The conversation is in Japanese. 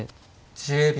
１０秒。